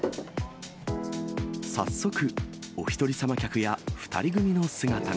早速、お一人様客や２人組の姿が。